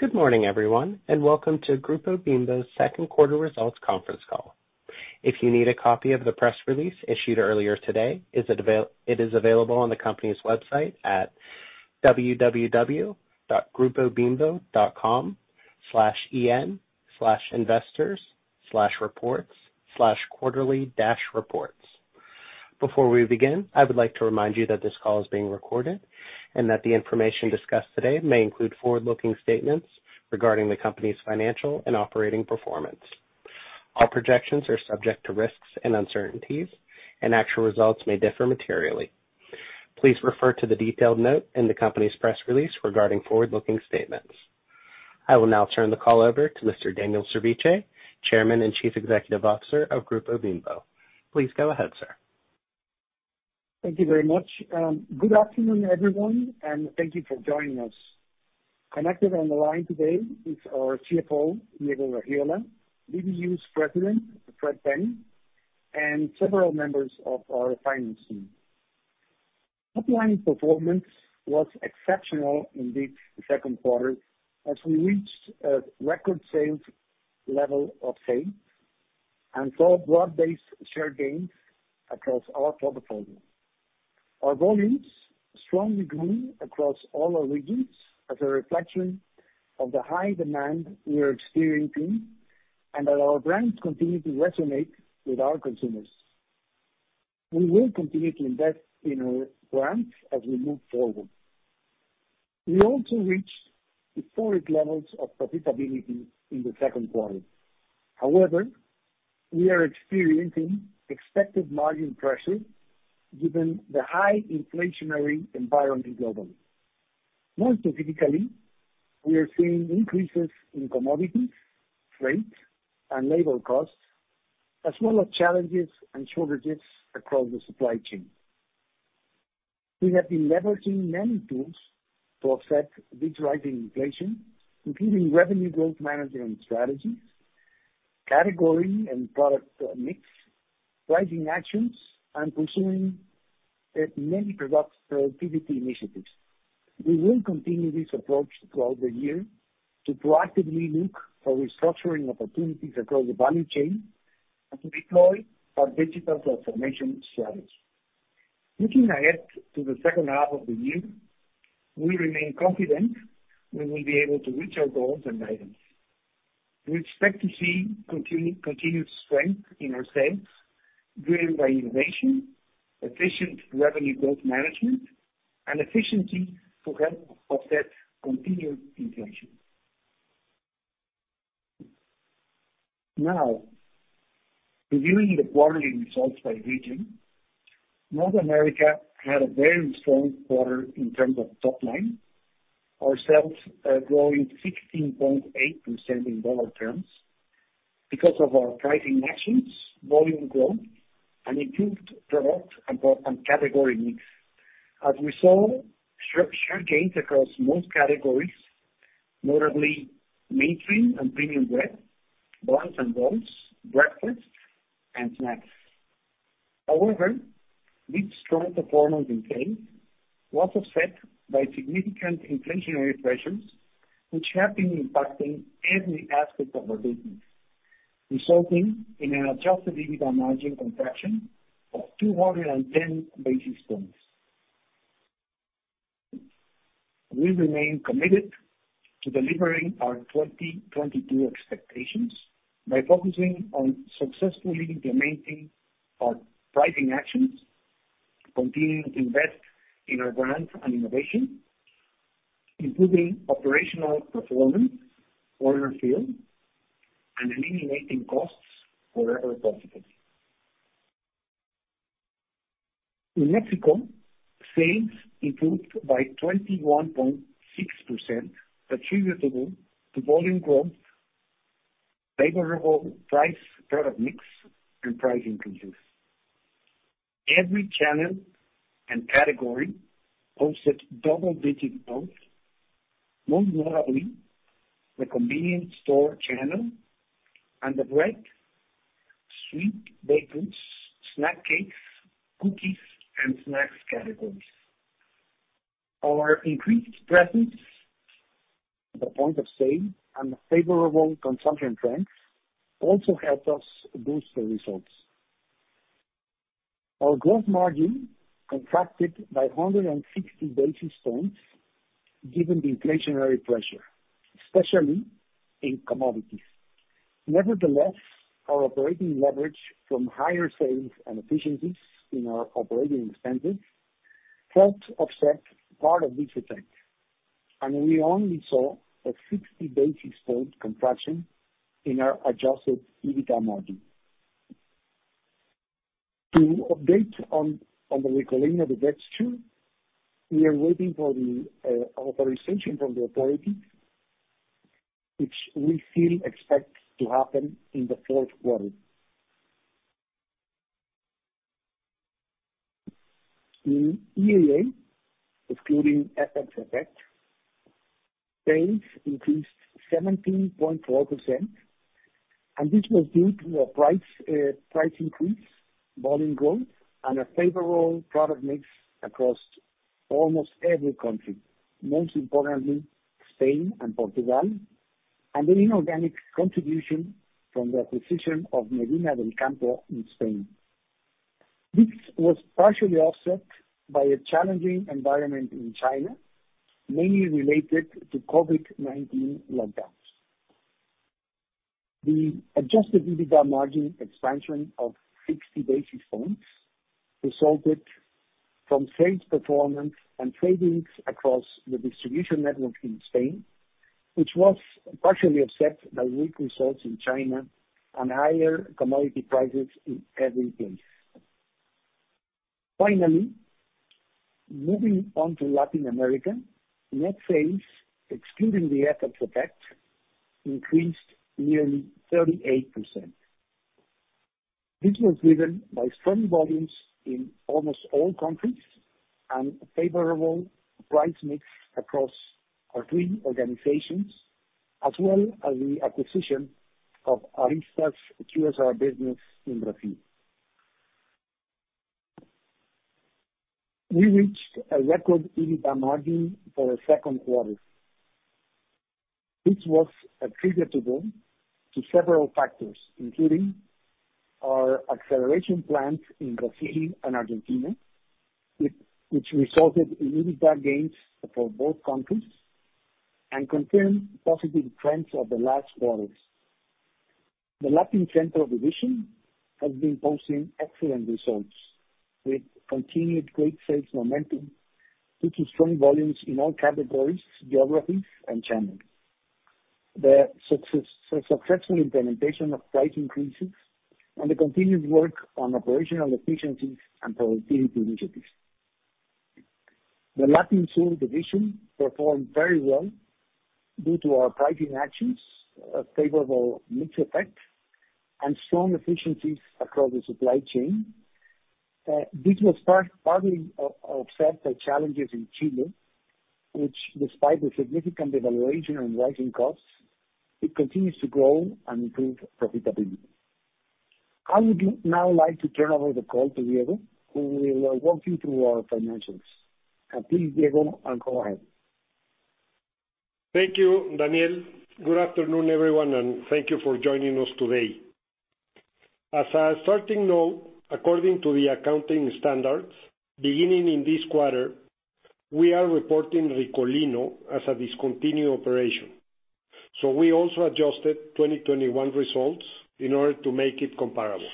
Good morning everyone, and welcome to Grupo Bimbo's second quarter results conference call. If you need a copy of the press release issued earlier today, it is available on the company's website at www.grupobimbo.com/en/investors/reports/quarterly-reports. Before we begin, I would like to remind you that this call is being recorded, and that the information discussed today may include forward-looking statements regarding the company's financial and operating performance. Our projections are subject to risks and uncertainties, and actual results may differ materially. Please refer to the detailed note in the company's press release regarding forward-looking statements. I will now turn the call over to Mr. Daniel Servitje, Chairman and Chief Executive Officer of Grupo Bimbo. Please go ahead, sir. Thank you very much. Good afternoon, everyone, and thank you for joining us. Connected on the line today is our CFO, Diego Gaxiola, BBU's President, Fred Penny, and several members of our finance team. Top line performance was exceptional in the second quarter as we reached a record sales level of sales and saw broad-based share gains across our portfolio. Our volumes strongly grew across all our regions as a reflection of the high demand we are experiencing and that our brands continue to resonate with our consumers. We will continue to invest in our brands as we move forward. We also reached historic levels of profitability in the second quarter. However, we are experiencing expected margin pressure given the high inflationary environment globally. Most specifically, we are seeing increases in commodities, freight, and labor costs, as well as challenges and shortages across the supply chain. We have been leveraging many tools to offset this rising inflation, including revenue growth management and strategy, category and product mix, pricing actions, and pursuing many productivity initiatives. We will continue this approach throughout the year to proactively look for restructuring opportunities across the value chain and to deploy our digital transformation strategy. Looking ahead to the second half of the year, we remain confident we will be able to reach our goals and guidance. We expect to see continued strength in our sales, driven by innovation, efficient revenue growth management, and efficiency to help offset continued inflation. Now, reviewing the quarterly results by region, North America had a very strong quarter in terms of top line. Our sales growing 16.8% in dollar terms because of our pricing actions, volume growth, and improved product and category mix. As we saw, share gains across most categories, notably mainstream and premium bread, buns and rolls, breakfast and snacks. However, this strong performance in sales was offset by significant inflationary pressures, which have been impacting every aspect of our business, resulting in an adjusted EBITDA margin contraction of 210 basis points. We remain committed to delivering our 2022 expectations by focusing on successfully implementing our pricing actions, continuing to invest in our brands and innovation, improving operational performance on our field, and eliminating costs wherever possible. In Mexico, sales improved by 21.6% attributable to volume growth, favorable price product mix, and price increases. Every channel and category posted double-digit growth, most notably the convenience store channel and the bread, sweet baked goods, snack cakes, cookies, and snacks categories. Our increased presence at the point of sale and favorable consumption trends also helped us boost the results. Our gross margin contracted by 160 basis points given the inflationary pressure, especially in commodities. Nevertheless, our operating leverage from higher sales and efficiencies in our operating expenses helped offset part of this effect, and we only saw a 60 basis point contraction in our adjusted EBITDA margin. To update on the recalling of the Dex two, we are waiting for the authorization from the authority, which we still expect to happen in the fourth quarter. In EAA, excluding FX effects, sales increased 17.4%. This was due to a price increase, volume growth and a favorable product mix across almost every country, most importantly, Spain and Portugal, and an inorganic contribution from the acquisition of Medina del Campo in Spain. This was partially offset by a challenging environment in China, mainly related to COVID-19 lockdowns. The adjusted EBITDA margin expansion of 60 basis points resulted from sales performance and tradings across the distribution network in Spain, which was partially offset by weak results in China and higher commodity prices in every place. Finally, moving on to Latin America, net sales, excluding the effect of FX, increased nearly 38%. This was driven by strong volumes in almost all countries and a favorable price mix across our three organizations, as well as the acquisition of Aryzta's QSR business in Brazil. We reached a record EBITDA margin for the second quarter. This was attributable to several factors, including our acceleration plans in Brazil and Argentina, which resulted in EBITDA gains for both countries and continued positive trends of the last quarters. The Latin Center division has been posting excellent results with continued great sales momentum, due to strong volumes in all categories, geographies, and channels. The successful implementation of price increases and the continued work on operational efficiency and productivity initiatives. The Latin South division performed very well due to our pricing actions, a favorable mix effect, and strong efficiencies across the supply chain. This was partly offset by challenges in Chile, which despite the significant devaluation and rising costs, it continues to grow and improve profitability. I would now like to turn over the call to Diego, who will walk you through our financials. Please, Diego, and go ahead. Thank you, Daniel. Good afternoon, everyone, and thank you for joining us today. As a starting note, according to the accounting standards, beginning in this quarter, we are reporting Ricolino as a discontinued operation, so we also adjusted 2021 results in order to make it comparable.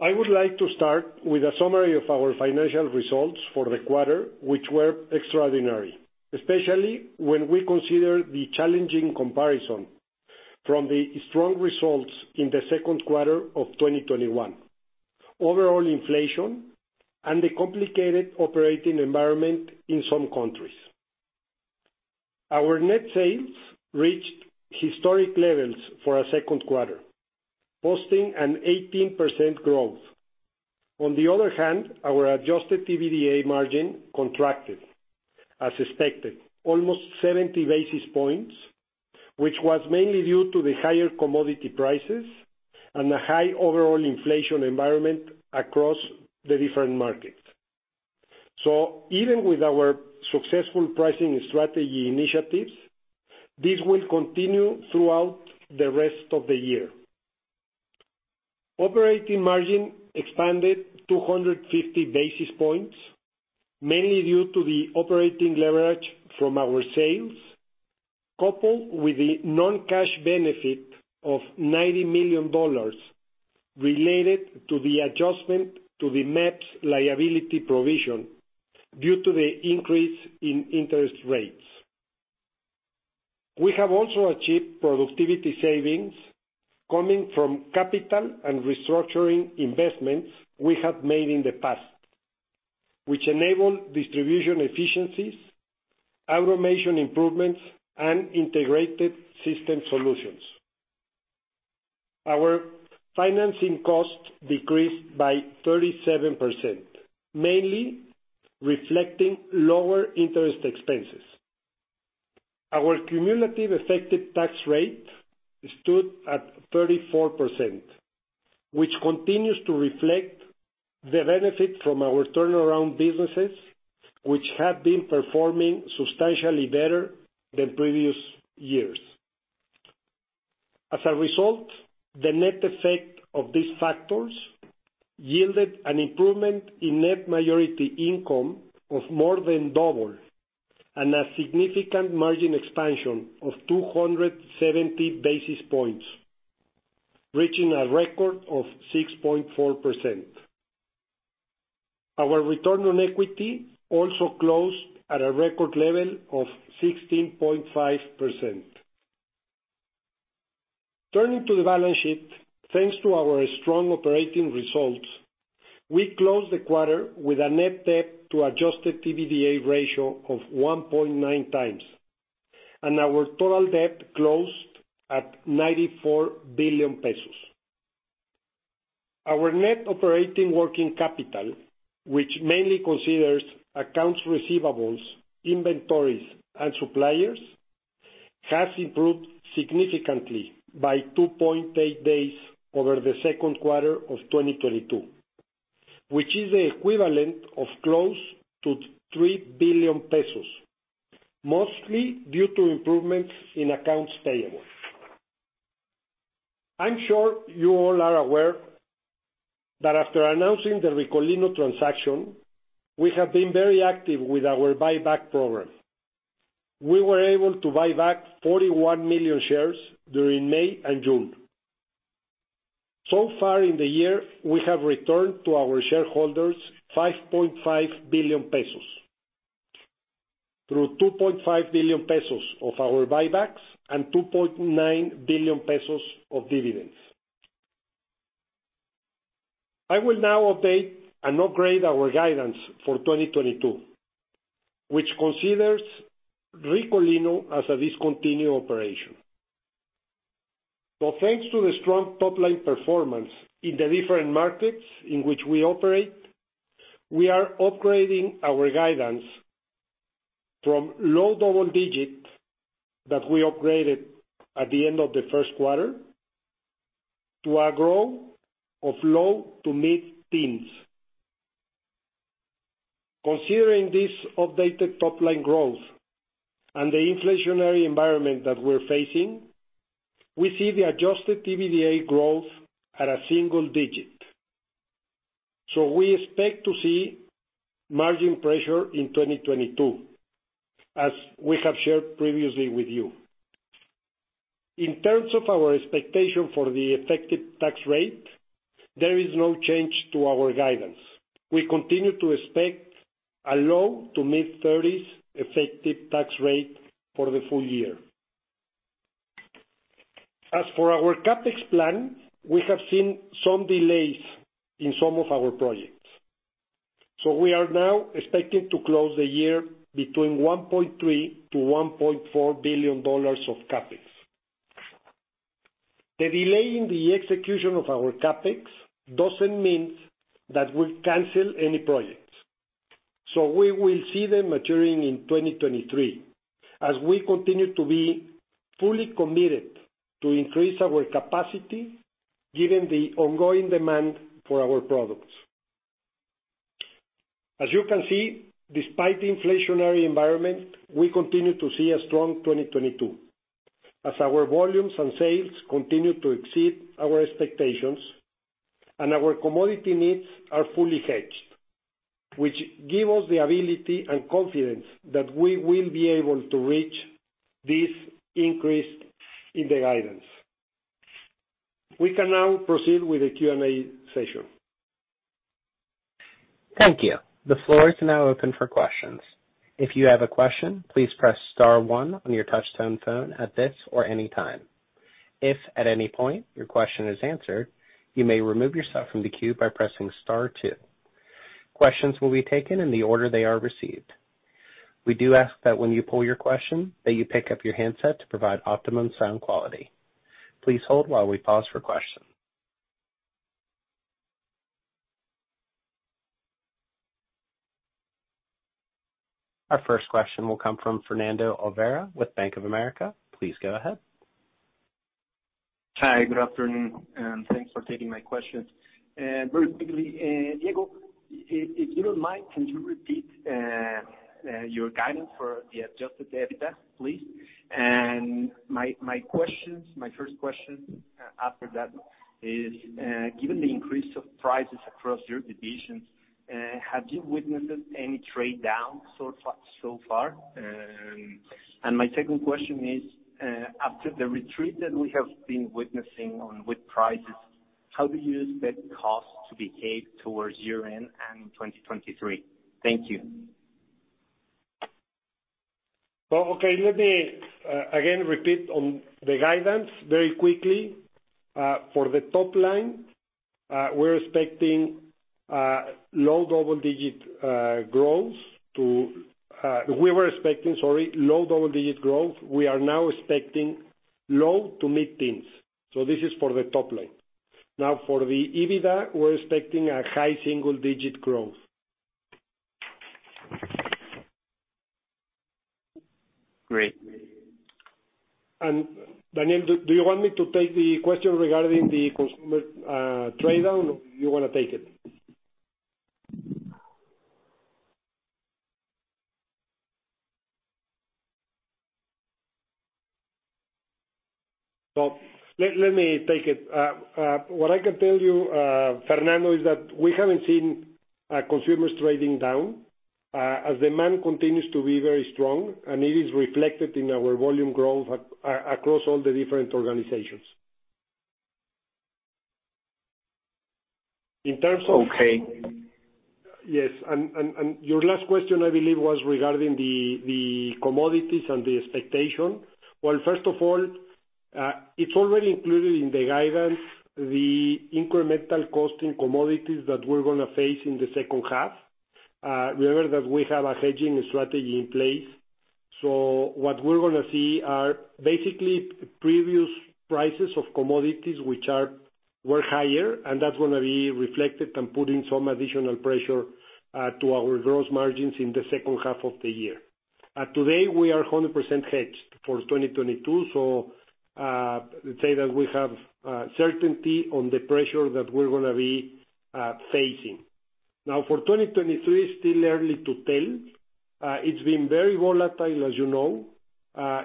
I would like to start with a summary of our financial results for the quarter, which were extraordinary, especially when we consider the challenging comparison from the strong results in the second quarter of 2021. Overall inflation and the complicated operating environment in some countries. Our net sales reached historic levels for a second quarter, posting an 18% growth. On the other hand, our adjusted EBITDA margin contracted as expected, almost 70 basis points, which was mainly due to the higher commodity prices and the high overall inflation environment across the different markets. Even with our successful pricing strategy initiatives, this will continue throughout the rest of the year. Operating margin expanded 250 basis points, mainly due to the operating leverage from our sales, coupled with the non-cash benefit of $90 million related to the adjustment to the MEPP liability provision due to the increase in interest rates. We have also achieved productivity savings coming from capital and restructuring investments we have made in the past, which enable distribution efficiencies, automation improvements, and integrated system solutions. Our financing costs decreased by 37%, mainly reflecting lower interest expenses. Our cumulative effective tax rate stood at 34%, which continues to reflect the benefit from our turnaround businesses, which have been performing substantially better than previous years. As a result, the net effect of these factors yielded an improvement in net majority income of more than double and a significant margin expansion of 270 basis points, reaching a record of 6.4%. Our return on equity also closed at a record level of 16.5%. Turning to the balance sheet, thanks to our strong operating results, we closed the quarter with a net debt to adjusted EBITDA ratio of 1.9 times, and our total debt closed at 94 billion pesos. Our net operating working capital, which mainly considers accounts receivables, inventories, and suppliers, has improved significantly by 2.8 days over the second quarter of 2022, which is the equivalent of close to 3 billion pesos, mostly due to improvements in accounts payable. I'm sure you all are aware that after announcing the Ricolino transaction, we have been very active with our buyback program. We were able to buy back 41 million shares during May and June. So far in the year, we have returned to our shareholders 5.5 billion pesos through 2.5 billion pesos of our buybacks and 2.9 billion pesos of dividends. I will now update and upgrade our guidance for 2022, which considers Ricolino as a discontinued operation. Well, thanks to the strong top-line performance in the different markets in which we operate, we are upgrading our guidance from low double-digit that we upgraded at the end of the first quarter to a growth of low to mid-teens. Considering this updated top-line growth and the inflationary environment that we're facing, we see the adjusted EBITDA growth at a single-digit. We expect to see margin pressure in 2022, as we have shared previously with you. In terms of our expectation for the effective tax rate, there is no change to our guidance. We continue to expect a low to mid-30s effective tax rate for the full year. As for our CapEx plan, we have seen some delays in some of our projects. We are now expecting to close the year between $1.3 billion-$1.4 billion of CapEx. The delay in the execution of our CapEx doesn't mean that we'll cancel any projects, so we will see them maturing in 2023 as we continue to be fully committed to increase our capacity given the ongoing demand for our products. As you can see, despite the inflationary environment, we continue to see a strong 2022 as our volumes and sales continue to exceed our expectations and our commodity needs are fully hedged, which give us the ability and confidence that we will be able to reach this increase in the guidance. We can now proceed with the Q&A session. Thank you. The floor is now open for questions. If you have a question, please press star one on your touch tone phone at this or any time. If at any point your question is answered, you may remove yourself from the queue by pressing star two. Questions will be taken in the order they are received. We do ask that when you pull your question that you pick up your handset to provide optimum sound quality. Please hold while we pause for questions. Our first question will come from Fernando Olvera with Bank of America. Please go ahead. Hi. Good afternoon, and thanks for taking my questions. Very quickly, Diego, if you don't mind, can you repeat your guidance for the adjusted EBITDA, please? My questions, my first question after that is, given the increase of prices across your divisions, have you witnessed any trade-down so far? My second question is, after the retreat that we have been witnessing on wheat prices, how do you expect costs to behave towards year-end and in 2023? Thank you. Well, okay. Let me again repeat on the guidance very quickly. For the top line, we were expecting, sorry, low double-digit growth. We are now expecting low to mid-teens. This is for the top line. Now, for the EBITDA, we're expecting a high single-digit growth. Great. Daniel, do you want me to take the question regarding the consumer trade-down, or you wanna take it? Well, let me take it. What I can tell you, Fernando, is that we haven't seen consumers trading down as demand continues to be very strong, and it is reflected in our volume growth across all the different organizations. In terms of Okay. Yes. Your last question, I believe, was regarding the commodities and the expectation. Well, first of all, it's already included in the guidance, the incremental cost in commodities that we're gonna face in the second half. Remember that we have a hedging strategy in place. So what we're gonna see are basically previous prices of commodities which were higher, and that's gonna be reflected and putting some additional pressure to our gross margins in the second half of the year. Today we are 100% hedged for 2022, so let's say that we have certainty on the pressure that we're gonna be facing. Now for 2023, still early to tell. It's been very volatile, as you know.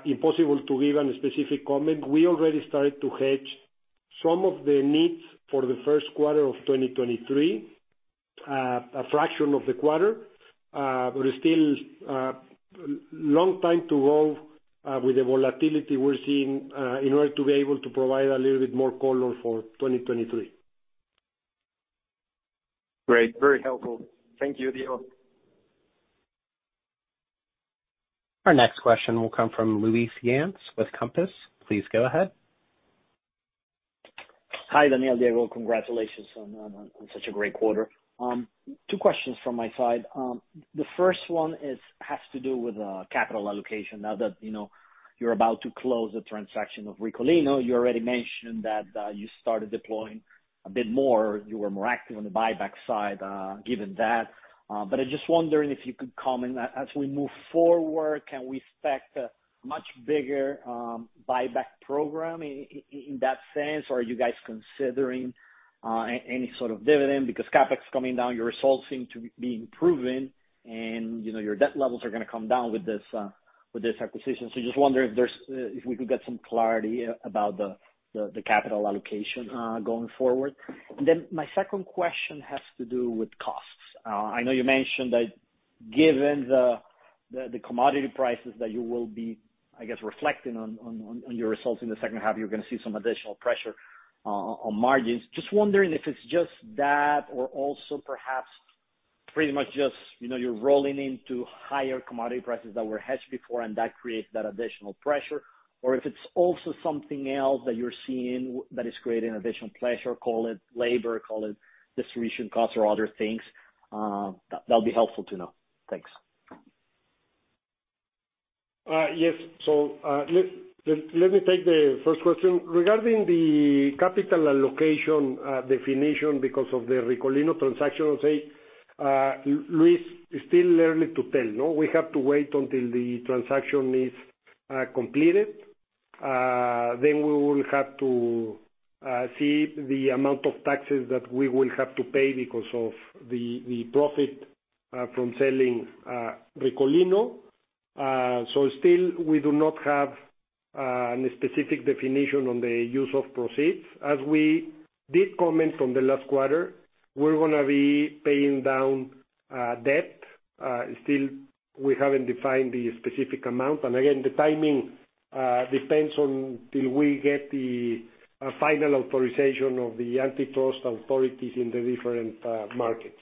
Impossible to give any specific comment. We already started to hedge some of the needs for the first quarter of 2023, a fraction of the quarter. Still, long time to go, with the volatility we're seeing, in order to be able to provide a little bit more color for 2023. Great, very helpful. Thank you, Diego. Our next question will come from Luis Yance with Compass. Please go ahead. Hi, Daniel, Diego, congratulations on such a great quarter. Two questions from my side. The first one has to do with capital allocation now that, you know, you're about to close the transaction of Ricolino. You already mentioned that you started deploying a bit more, you were more active on the buyback side, given that. But I'm just wondering if you could comment as we move forward, can we expect a much bigger buyback program in that sense? Or are you guys considering any sort of dividend? Because CapEx coming down, your results seem to be improving and, you know, your debt levels are gonna come down with this acquisition. Just wondering if we could get some clarity about the capital allocation going forward. Then my second question has to do with costs. I know you mentioned that given the commodity prices that you will be, I guess, reflecting on your results in the second half, you're gonna see some additional pressure on margins. Just wondering if it's just that or also perhaps pretty much just, you know, you're rolling into higher commodity prices that were hedged before and that creates that additional pressure, or if it's also something else that you're seeing that is creating additional pressure, call it labor, call it distribution costs or other things, that'd be helpful to know. Thanks. Yes. Let me take the first question. Regarding the capital allocation definition because of the Ricolino transaction, Luis, it's still early to tell, no? We have to wait until the transaction is completed. Then we will have to see the amount of taxes that we will have to pay because of the profit from selling Ricolino. Still we do not have any specific definition on the use of proceeds. As we did comment from the last quarter, we're gonna be paying down debt. Still we haven't defined the specific amount. Again, the timing depends on till we get the final authorization of the antitrust authorities in the different markets.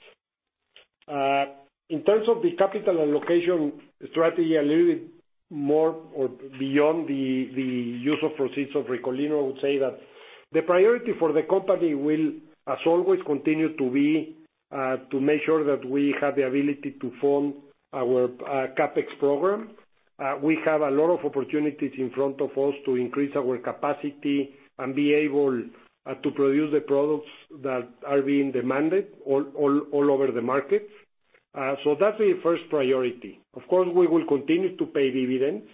In terms of the capital allocation strategy, a little bit more or beyond the use of proceeds of Ricolino, I would say that the priority for the company will, as always, continue to be to make sure that we have the ability to fund our CapEx program. We have a lot of opportunities in front of us to increase our capacity and be able to produce the products that are being demanded all over the markets. So that's the first priority. Of course, we will continue to pay dividends.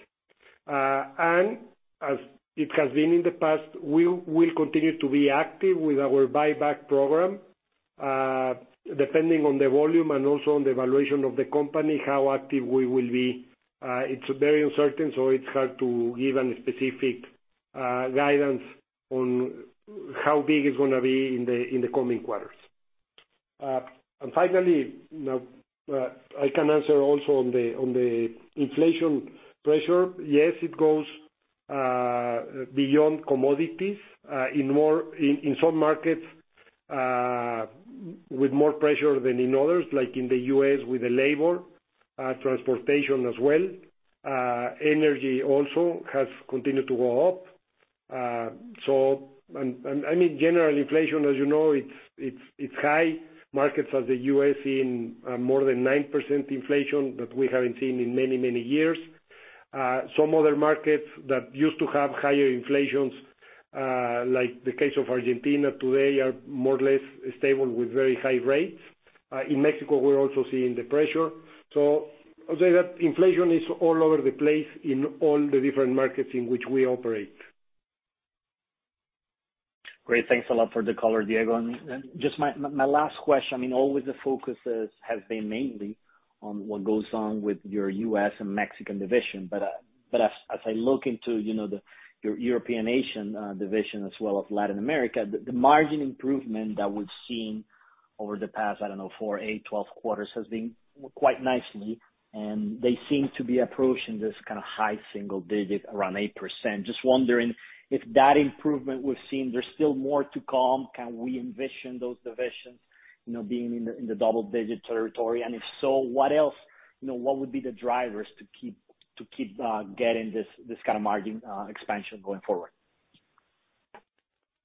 As it has been in the past, we will continue to be active with our buyback program, depending on the volume and also on the valuation of the company, how active we will be. It's very uncertain, so it's hard to give any specific guidance on how big it's gonna be in the coming quarters. Finally, now I can answer also on the inflation pressure. Yes, it goes beyond commodities in more in some markets with more pressure than in others, like in the U.S. with the labor, transportation as well. Energy also has continued to go up. I mean, general inflation, as you know, it's high. Markets of the U.S. seeing more than 9% inflation that we haven't seen in many, many years. Some other markets that used to have higher inflations, like the case of Argentina today, are more or less stable with very high rates. In Mexico, we're also seeing the pressure. I'll say that inflation is all over the place in all the different markets in which we operate. Great. Thanks a lot for the color, Diego. Just my last question, I mean, always the focus is, has been mainly on what goes on with your U.S. and Mexican division. But as I look into, you know, your European-Asian division as well as Latin America, the margin improvement that we've seen over the past, I don't know, four, eight, 12 quarters has been quite nicely, and they seem to be approaching this kind of high single-digit around 8%. Just wondering if that improvement we've seen, there's still more to come. Can we envision those divisions, you know, being in the double-digit territory? And if so, what else, you know, what would be the drivers to keep getting this kind of margin expansion going forward?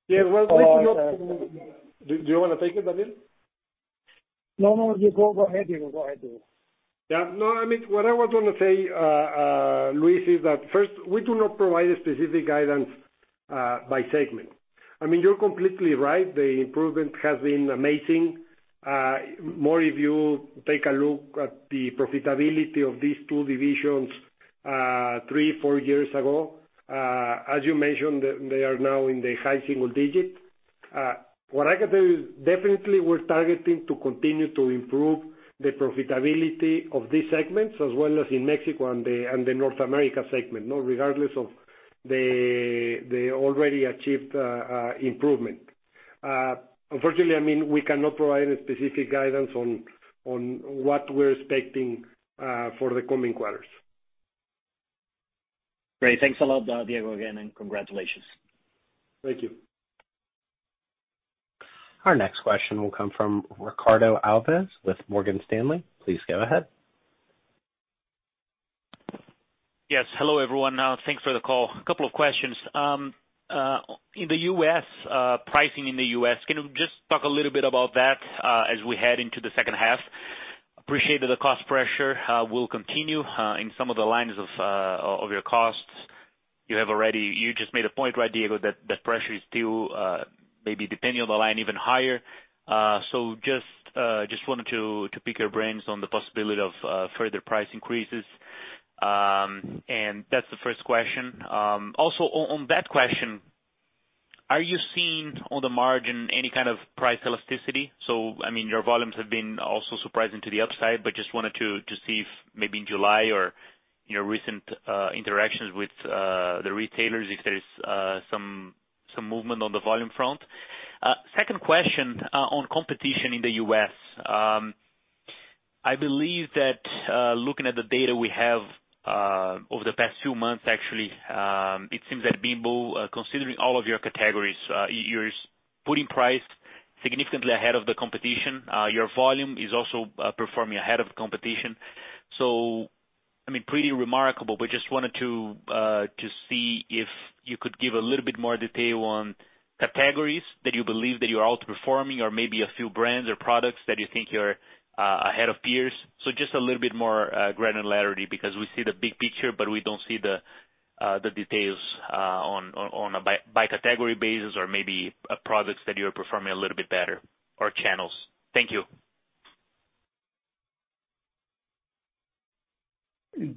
Yeah, well, Luis, you know. Do you wanna take it, Daniel? No, you go ahead, Diego. Go ahead, Diego. Yeah, no, I mean, what I was gonna say, Luis, is that first, we do not provide a specific guidance by segment. I mean, you're completely right, the improvement has been amazing. More if you take a look at the profitability of these two divisions, three, four years ago, as you mentioned, they are now in the high single-digit. What I can tell you is definitely we're targeting to continue to improve the profitability of these segments as well as in Mexico and the North America segment, you know, regardless of the already achieved improvement. Unfortunately, I mean, we cannot provide a specific guidance on what we're expecting for the coming quarters. Great. Thanks a lot, Diego, again, and congratulations. Thank you. Our next question will come from Ricardo Alves with Morgan Stanley. Please go ahead. Yes. Hello, everyone. Thanks for the call. A couple of questions. In the U.S., pricing in the U.S., can you just talk a little bit about that, as we head into the second half? Appreciated the cost pressure will continue in some of the lines of your costs. You just made a point, right, Diego, that that pressure is still, maybe depending on the line, even higher. Just wanted to pick your brains on the possibility of further price increases. That's the first question. Also on that question, are you seeing on the margin any kind of price elasticity? I mean, your volumes have been also surprising to the upside, but just wanted to see if maybe in July or your recent interactions with the retailers, if there is some movement on the volume front. Second question on competition in the U.S. I believe that looking at the data we have over the past few months, actually, it seems that Bimbo considering all of your categories, yours putting price significantly ahead of the competition, your volume is also performing ahead of the competition. I mean, pretty remarkable, but just wanted to see if you could give a little bit more detail on categories that you believe that you are outperforming or maybe a few brands or products that you think you're ahead of peers. Just a little bit more granularity because we see the big picture, but we don't see the details on a by-category basis or maybe products that you are performing a little bit better or channels. Thank you.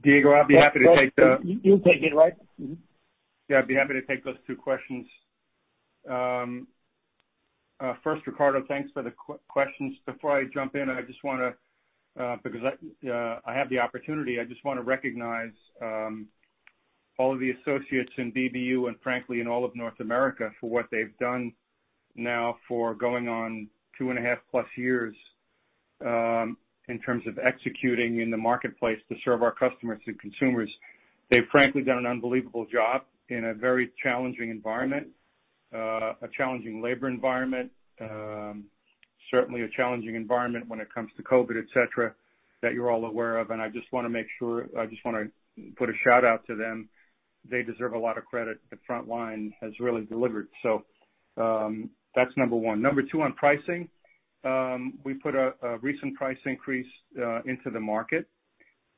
Diego, I'll be happy to take the You take it, right? Mm-hmm. Yeah, I'd be happy to take those two questions. First, Ricardo, thanks for the questions. Before I jump in, I just wanna, because I have the opportunity, I just wanna recognize all of the associates in BBU and frankly, in all of North America for what they've done now for going on 2.5+ years, in terms of executing in the marketplace to serve our customers and consumers. They've frankly done an unbelievable job in a very challenging environment, a challenging labor environment, certainly a challenging environment when it comes to COVID, et cetera, that you're all aware of. I just wanna make sure, I just wanna put a shout-out to them. They deserve a lot of credit. The front line has really delivered. That's number one. Number two, on pricing, we put a recent price increase into the market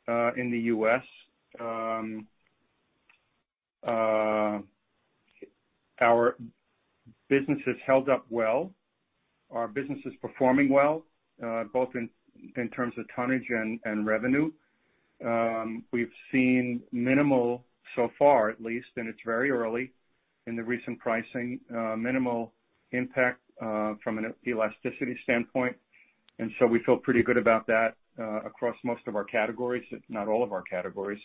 in the U.S. Our business has held up well. Our business is performing well both in terms of tonnage and revenue. We've seen minimal, so far at least, and it's very early in the recent pricing, minimal impact from an elasticity standpoint. We feel pretty good about that across most of our categories, if not all of our categories.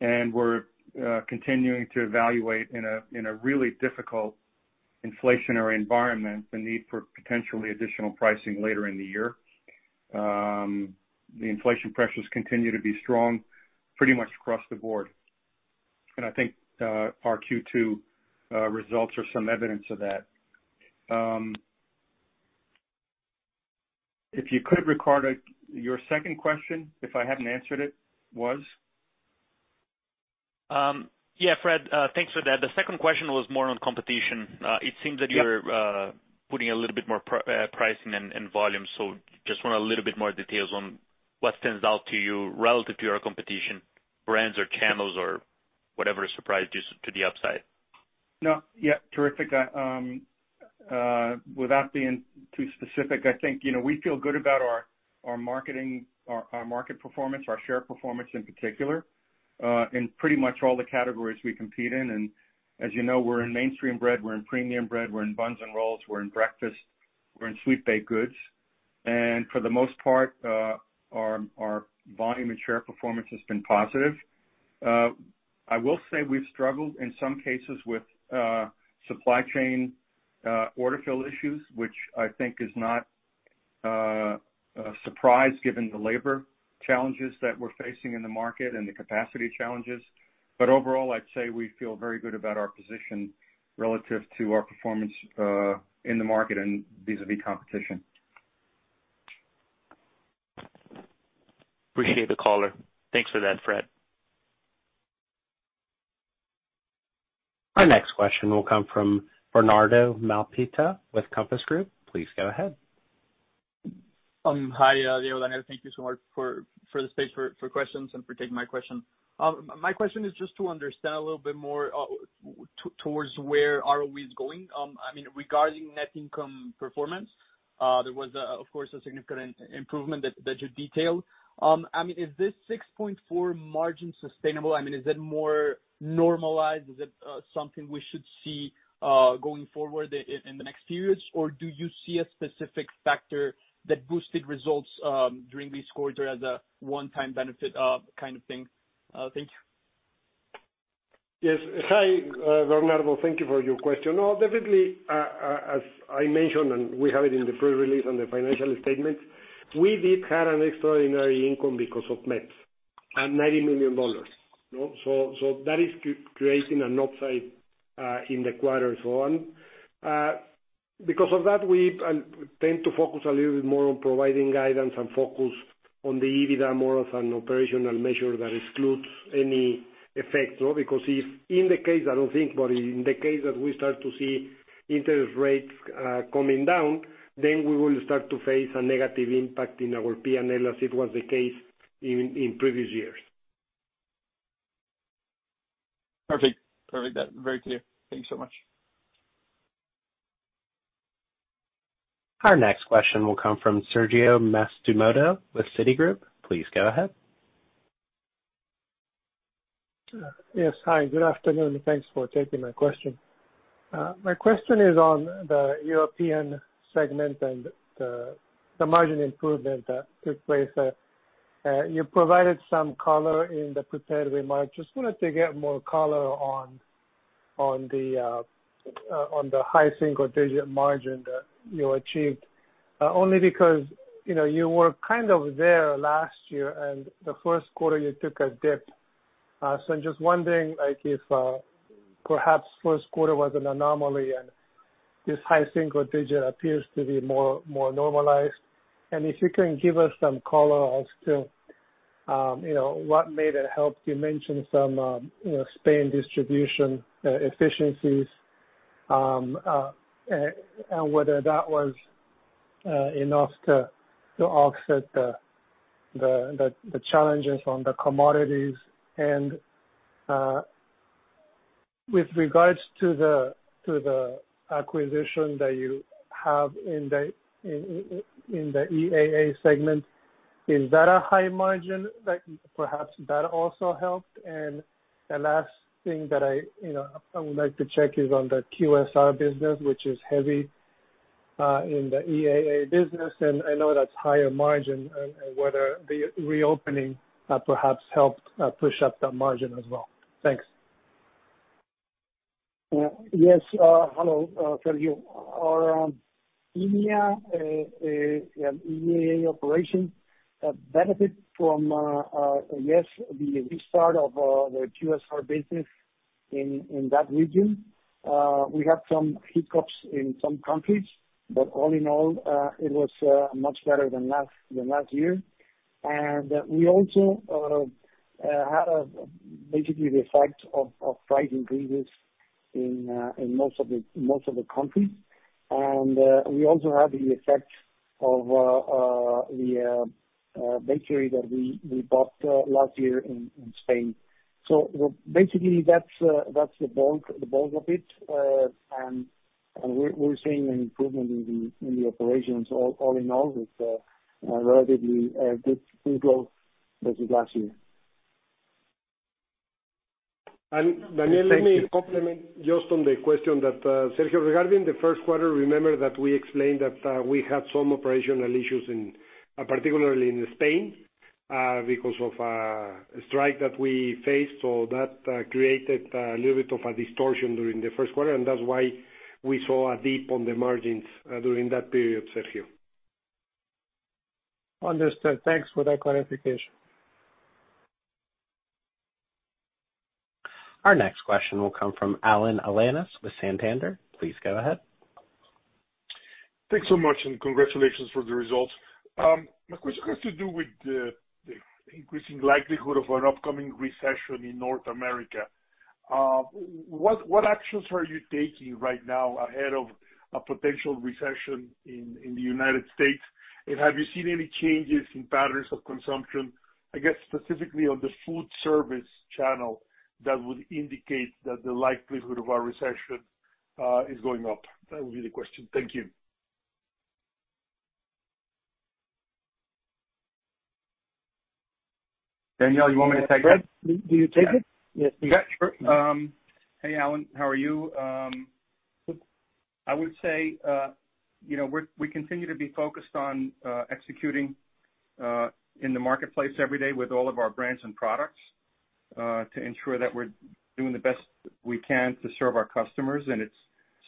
We're continuing to evaluate in a really difficult inflationary environment the need for potentially additional pricing later in the year. The inflation pressures continue to be strong pretty much across the board. I think our Q2 results are some evidence of that. If you could, Ricardo, your second question, if I hadn't answered it, was? Yeah, Fred, thanks for that. The second question was more on competition. It seems that- Yeah. You're putting a little bit more pricing and volume. Just want a little bit more details on what stands out to you relative to your competition, brands or channels or whatever surprised you to the upside. No. Yeah. Terrific. Without being too specific, I think, you know, we feel good about our marketing, our market performance, our share performance in particular, in pretty much all the categories we compete in. As you know, we're in mainstream bread, we're in premium bread, we're in buns and rolls, we're in breakfast, we're in sweet baked goods. For the most part, our volume and share performance has been positive. I will say we've struggled in some cases with supply chain order fill issues, which I think is not a surprise given the labor challenges that we're facing in the market and the capacity challenges. Overall, I'd say we feel very good about our position relative to our performance in the market and vis-à-vis competition. Appreciate the color. Thanks for that, Fred. Our next question will come from Bernardo Malpica with Compass Group. Please go ahead. Hi, Diego. Thank you so much for the space for questions and for taking my question. My question is just to understand a little bit more towards where ROE is going. I mean, regarding net income performance, there was, of course, a significant improvement that you detailed. I mean, is this 6.4% margin sustainable? I mean, is it more normalized? Is it something we should see going forward in the next periods? Or do you see a specific factor that boosted results during this quarter as a one-time benefit kind of thing? Thank you. Yes. Hi, Bernardo. Thank you for your question. Oh, definitely, as I mentioned, and we have it in the pre-release and the financial statement, we did have an extraordinary income because of MEPP at $90 million. That is creating an upside in the quarter so on. Because of that, we tend to focus a little bit more on providing guidance and focus on the EBITDA more as an operational measure that excludes any effect, you know, because, in the case, I don't think, but in the case that we start to see interest rates coming down, then we will start to face a negative impact in our P&L as it was the case in previous years. Perfect. That's very clear. Thank you so much. Our next question will come from Sergio Matsumoto with Citigroup. Please go ahead. Yes. Hi, good afternoon. Thanks for taking my question. My question is on the European segment and the margin improvement that took place. You provided some color in the prepared remarks. Just wanted to get more color on the high single-digit margin that you achieved, only because, you know, you were kind of there last year, and the first quarter you took a dip. So I'm just wondering, like, if perhaps first quarter was an anomaly and this high single-digit appears to be more normalized. If you can give us some color as to, you know, what made it help. You mentioned some, you know, Spain distribution efficiencies, and whether that was enough to offset the challenges on the commodities. With regards to the acquisition that you have in the EAA segment, is that a high margin that perhaps that also helped? The last thing that I, you know, I would like to check is on the QSR business, which is heavy in the EAA business, and I know that's higher margin, and whether the reopening perhaps helped push up that margin as well. Thanks. Yes, hello, Sergio. Our India EAA operation benefit from the restart of the QSR business in that region. We have some hiccups in some countries, but all in all, it was much better than last year. We also had basically the effect of price increases in most of the countries. We also have the effect of the bakery that we bought last year in Spain. Basically, that's the bulk of it. We're seeing an improvement in the operations all in all with a relatively good single-digit as with last year. Daniel, let me comment just on the question that Sergio regarding the first quarter. Remember that we explained that we had some operational issues in particularly in Spain because of a strike that we faced. That created a little bit of a distortion during the first quarter, and that's why we saw a dip in the margins during that period, Sergio. Understood. Thanks for that clarification. Our next question will come from Alan Alanis with Santander. Please go ahead. Thanks so much, and congratulations for the results. My question has to do with the increasing likelihood of an upcoming recession in North America. What actions are you taking right now ahead of a potential recession in the United States? Have you seen any changes in patterns of consumption, I guess, specifically on the food service channel that would indicate that the likelihood of a recession is going up? That would be the question. Thank you. Daniel, you want me to take that? Fred, will you take it? Yes, please. Yeah, sure. Hey, Alan, how are you? I would say, you know, we continue to be focused on executing in the marketplace every day with all of our brands and products to ensure that we're doing the best we can to serve our customers. It's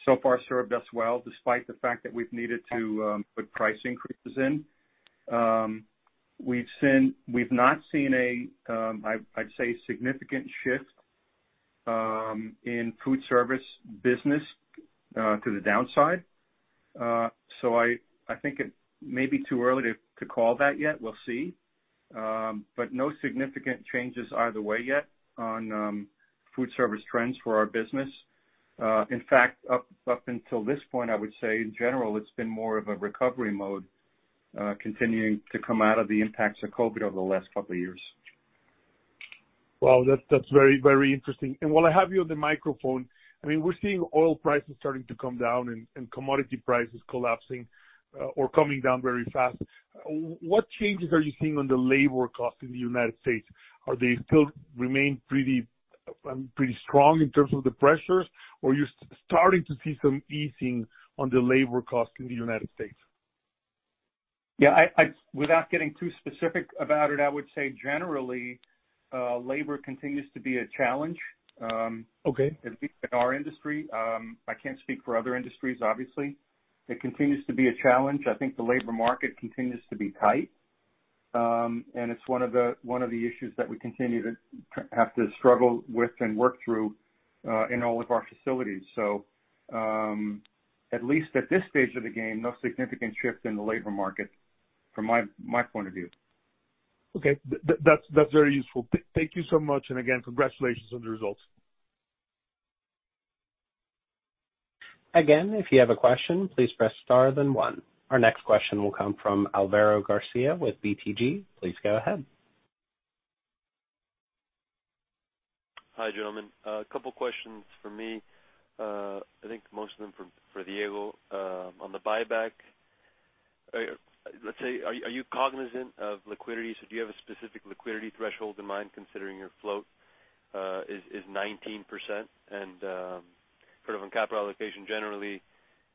so far served us well, despite the fact that we've needed to put price increases in. We've seen. We've not seen a significant shift, I'd say. In food service business to the downside. I think it may be too early to call that yet. We'll see. No significant changes either way yet on food service trends for our business. In fact, up until this point, I would say in general, it's been more of a recovery mode, continuing to come out of the impacts of COVID over the last couple of years. Well, that's very interesting. While I have you on the microphone, I mean, we're seeing oil prices starting to come down and commodity prices collapsing or coming down very fast. What changes are you seeing on the labor cost in the United States? Are they still remain pretty strong in terms of the pressures, or are you starting to see some easing on the labor cost in the United States? Yeah, without getting too specific about it, I would say generally, labor continues to be a challenge. Okay. At least in our industry. I can't speak for other industries, obviously. It continues to be a challenge. I think the labor market continues to be tight. It's one of the issues that we continue to have to struggle with and work through in all of our facilities. At least at this stage of the game, no significant shift in the labor market from my point of view. Okay. That's very useful. Thank you so much. Again, congratulations on the results. Again, if you have a question, please press star then one. Our next question will come from Álvaro García with BTG. Please go ahead. Hi, gentlemen. A couple of questions from me. I think most of them for Diego. On the buyback, let's say, are you cognizant of liquidity? Do you have a specific liquidity threshold in mind considering your float is 19%? Sort of on capital allocation, generally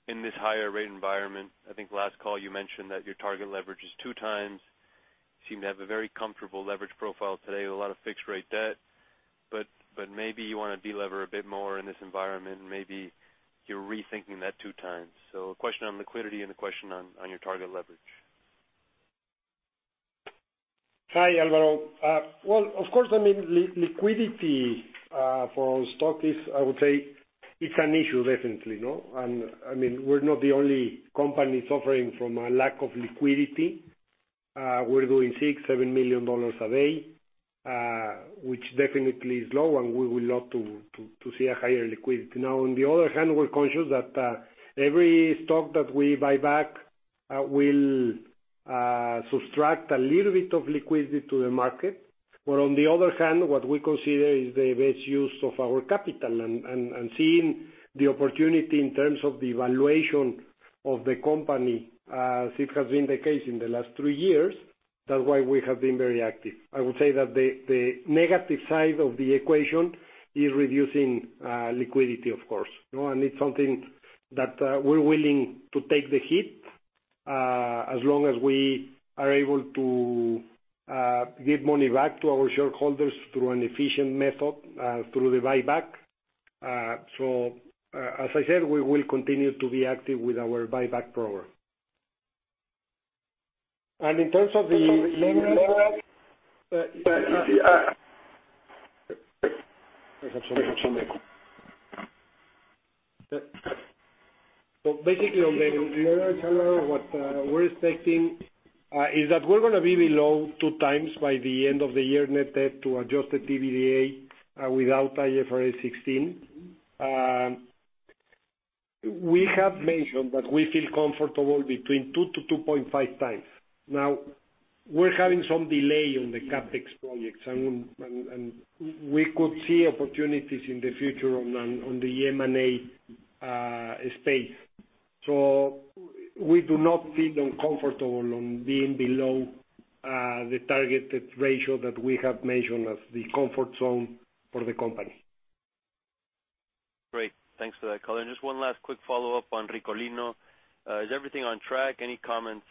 in this higher rate environment, I think last call you mentioned that your target leverage is 2x. You seem to have a very comfortable leverage profile today with a lot of fixed rate debt, but maybe you wanna de-lever a bit more in this environment, maybe you're rethinking that 2x. A question on liquidity and a question on your target leverage. Hi, Álvaro. Of course, I mean, liquidity for our stock is. I would say it's an issue definitely, no? I mean, we're not the only company suffering from a lack of liquidity. We're doing $6 million-$7 million a day, which definitely is low, and we would love to see a higher liquidity. Now, on the other hand, we're conscious that every stock that we buy back will subtract a little bit of liquidity to the market. On the other hand, what we consider is the best use of our capital and seeing the opportunity in terms of the valuation of the company, as it has been the case in the last three years, that's why we have been very active. I would say that the negative side of the equation is reducing liquidity, of course. You know, it's something that we're willing to take the hit as long as we are able to give money back to our shareholders through an efficient method through the buyback. As I said, we will continue to be active with our buyback program. In terms of the leverage, basically, on the leverage, Álvaro, what we're expecting is that we're gonna be below 2x by the end of the year net debt to adjusted EBITDA without IFRS 16. We have mentioned that we feel comfortable between 2x-2.5x. Now, we're having some delay on the CapEx projects and we could see opportunities in the future on the M&A space. We do not feel uncomfortable on being below the targeted ratio that we have mentioned as the comfort zone for the company. Great. Thanks for that color. Just one last quick follow-up on Ricolino. Is everything on track? Any comments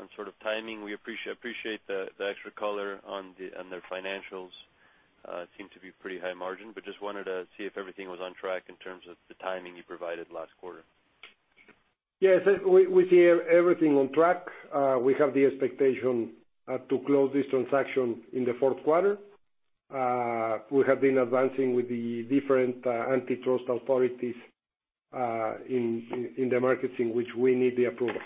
on sort of timing? We appreciate the extra color on their financials, seem to be pretty high margin, but just wanted to see if everything was on track in terms of the timing you provided last quarter. Yes, as we see everything on track. We have the expectation to close this transaction in the fourth quarter. We have been advancing with the different antitrust authorities in the markets in which we need the approval.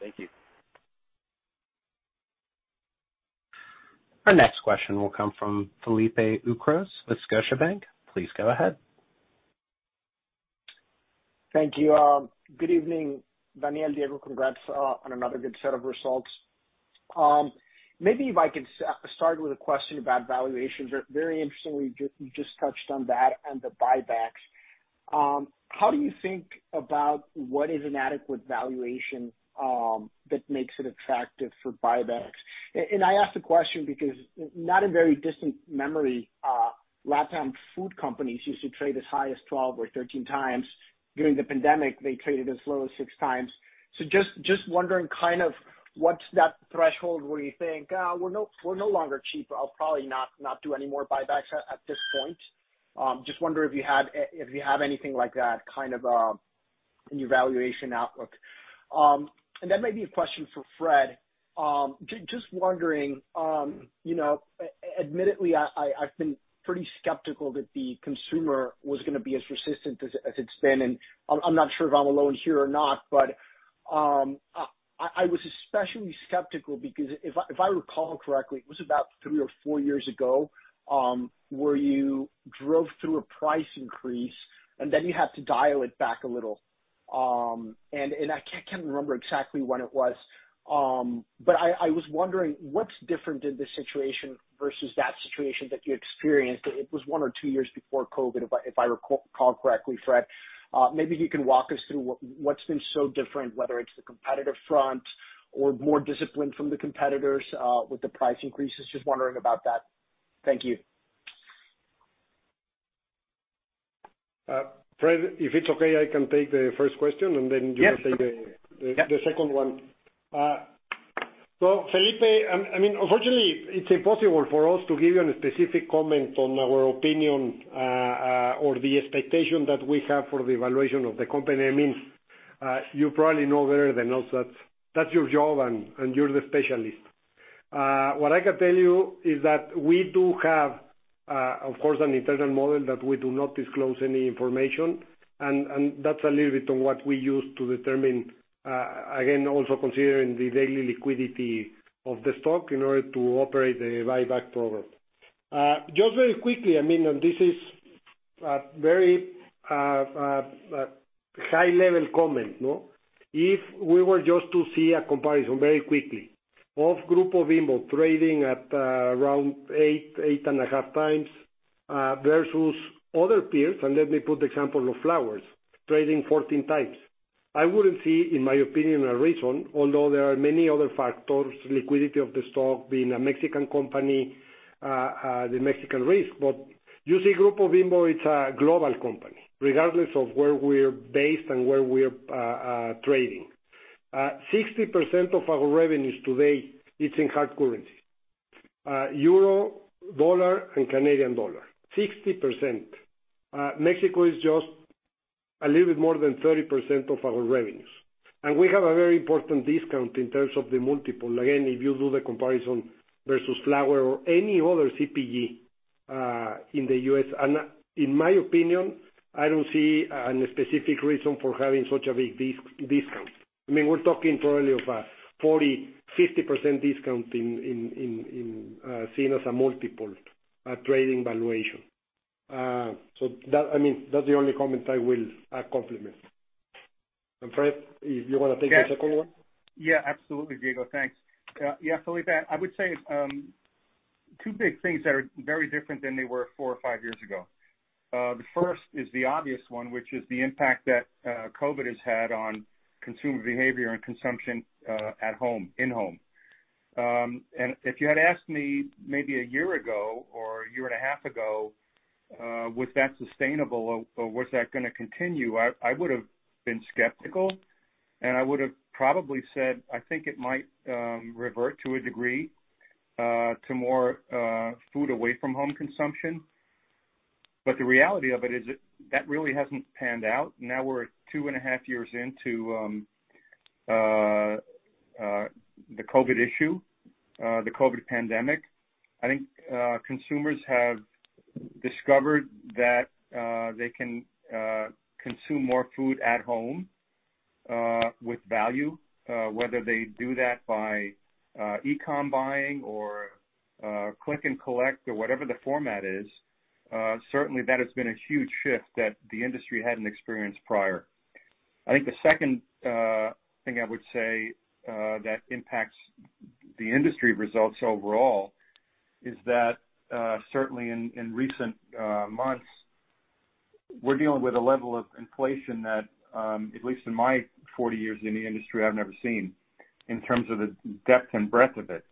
Wonderful. Thank you. Our next question will come from Felipe Ucros with Scotiabank. Please go ahead. Thank you. Good evening, Daniel, Diego. Congrats on another good set of results. Maybe if I could start with a question about valuations. Very interestingly, you just touched on that and the buybacks. How do you think about what is an adequate valuation that makes it attractive for buybacks? And I ask the question because not in very distant memory, LatAm food companies used to trade as high as 12 or 13 times. During the pandemic, they traded as low as 6 times. Just wondering kind of what's that threshold where you think, "We're no longer cheap. I'll probably not do any more buybacks at this point." Just wonder if you have anything like that kind of. In your valuation outlook. That might be a question for Fred. Just wondering, you know, admittedly, I've been pretty skeptical that the consumer was gonna be as resistant as it's been, and I'm not sure if I'm alone here or not, but I was especially skeptical because if I recall correctly, it was about three or four years ago where you drove through a price increase, and then you had to dial it back a little. I can't remember exactly when it was, but I was wondering what's different in this situation versus that situation that you experienced. It was one or two years before COVID if I recall correctly, Fred. Maybe you can walk us through what's been so different, whether it's the competitive front or more discipline from the competitors, with the price increases. Just wondering about that. Thank you. Fred, if it's okay, I can take the first question, and then you can take the second one. Yeah. So Felipe, I mean, unfortunately, it's impossible for us to give you any specific comments on our opinion or the expectation that we have for the valuation of the company. I mean, you probably know better than us that that's your job and you're the specialist. What I can tell you is that we do have, of course, an internal model that we do not disclose any information. That's a little bit on what we use to determine, again, also considering the daily liquidity of the stock in order to operate the buyback program. Just very quickly, I mean, this is a very high level comment, no? If we were just to see a comparison very quickly of Grupo Bimbo trading at around 8x-8.5x versus other peers, and let me put the example of Flowers Foods trading 14x. I wouldn't see, in my opinion, a reason, although there are many other factors, liquidity of the stock, being a Mexican company, the Mexican risk. You see Grupo Bimbo, it's a global company, regardless of where we're based and where we're trading. 60% of our revenues today is in hard currency, euro, dollar, and Canadian dollar. 60%. Mexico is just a little bit more than 30% of our revenues. We have a very important discount in terms of the multiple. Again, if you do the comparison versus Flowers or any other CPG in the U.S., and in my opinion, I don't see a specific reason for having such a big discount. I mean, we're talking probably of a 40%-50% discount in, in as a multiple trading valuation. I mean, that's the only comment I will make. Fred, if you wanna take the second one. Yeah. Yeah, absolutely, Diego. Thanks. Yeah, Felipe, I would say, two big things that are very different than they were four or five years ago. The first is the obvious one, which is the impact that COVID has had on consumer behavior and consumption, at home, in-home. If you had asked me maybe a year ago or a year and a half ago, was that sustainable or was that gonna continue, I would've been skeptical, and I would've probably said, "I think it might revert to a degree, to more food away from home consumption." But the reality of it is that really hasn't panned out. Now we're two and a half years into the COVID issue, the COVID pandemic. I think, consumers have discovered that, they can, consume more food at home, with value, whether they do that by, e-com buying or, Click & Collect or whatever the format is. Certainly that has been a huge shift that the industry hadn't experienced prior. I think the second, thing I would say, that impacts the industry results overall is that, certainly in recent months, we're dealing with a level of inflation that, at least in my 40 years in the industry, I've never seen in terms of the depth and breadth of it.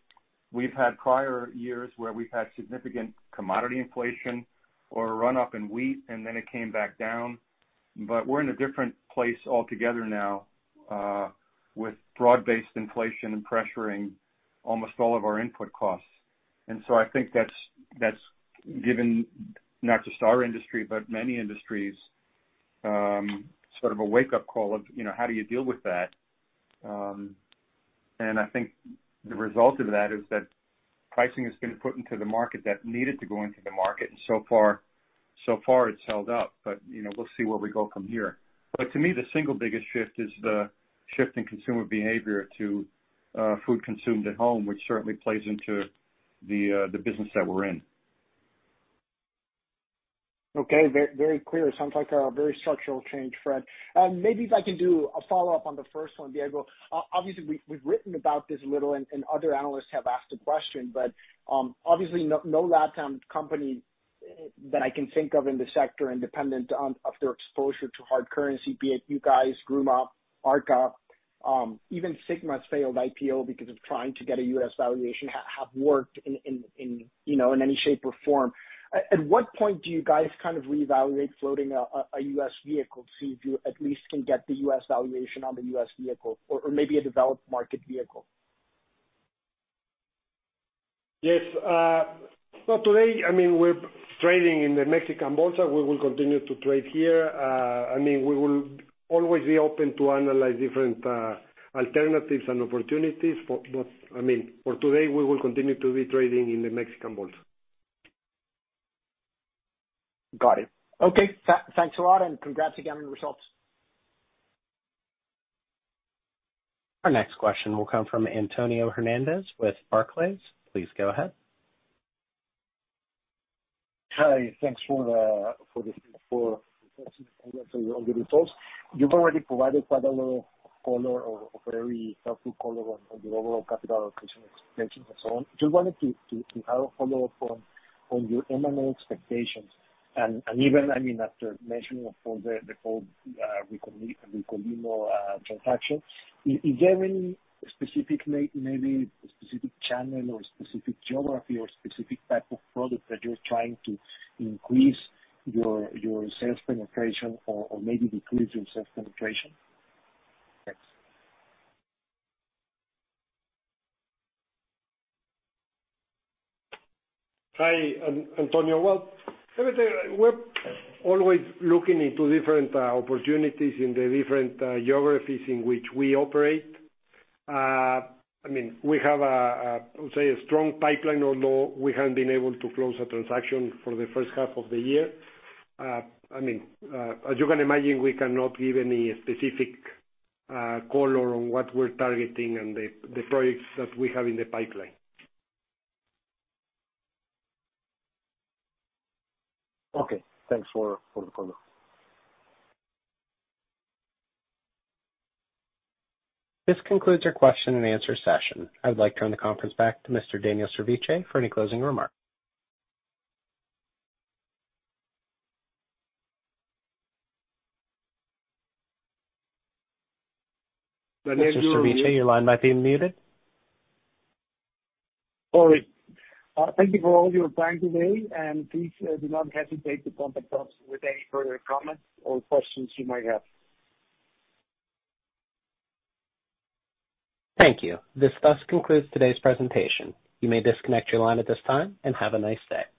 We've had prior years where we've had significant commodity inflation or a run-up in wheat, and then it came back down. We're in a different place altogether now, with broad-based inflation and pressuring almost all of our input costs. I think that's given not just our industry, but many industries, sort of a wake-up call of, you know, how do you deal with that? I think the result of that is that pricing has been put into the market that needed to go into the market, and so far it's held up. But, you know, we'll see where we go from here. But to me, the single biggest shift is the shift in consumer behavior to food consumed at home, which certainly plays into the business that we're in. Okay. Very clear. Sounds like a very structural change, Fred. Maybe if I can do a follow-up on the first one, Diego. Obviously we've written about this a little and other analysts have asked the question, but obviously no LatAm company that I can think of in the sector independent of their exposure to hard currency, be it you guys, Gruma, Arca, even Sigma's failed IPO because of trying to get a U.S. valuation have worked in, you know, in any shape or form. At what point do you guys kind of reevaluate floating a U.S. vehicle to see if you at least can get the U.S. valuation on the U.S. vehicle or maybe a developed market vehicle? Yes. Today, I mean, we're trading in the Mexican Bolsa. We will continue to trade here. I mean, we will always be open to analyze different alternatives and opportunities, but I mean, for today, we will continue to be trading in the Mexican Bolsa. Got it. Okay. Thanks a lot, and congrats again on your results. Our next question will come from Antonio Hernández with Barclays. Please go ahead. Hi, thanks for all the results. You've already provided quite a lot of color or very helpful color on your overall capital allocation expectations and so on. Just wanted to have a follow-up on your M&A expectations. Even, I mean, after mentioning the Ricolino transaction, is there any specific, maybe specific channel or specific geography or specific type of product that you're trying to increase your sales penetration or maybe decrease your sales penetration? Thanks. Hi, Antonio. Well, let me tell you, we're always looking into different opportunities in the different geographies in which we operate. I mean, we have a strong pipeline, although we haven't been able to close a transaction for the first half of the year. I mean, as you can imagine, we cannot give any specific color on what we're targeting and the projects that we have in the pipeline. Okay. Thanks for the color. This concludes our question and answer session. I would like to turn the conference back to Mr. Daniel Servitje for any closing remarks. Daniel Servitje Mr. Servitje, your line might be muted. Sorry. Thank you for all your time today, and please do not hesitate to contact us with any further comments or questions you might have. Thank you. This thus concludes today's presentation. You may disconnect your line at this time, and have a nice day.